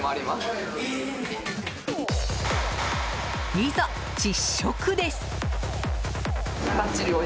いざ、実食です。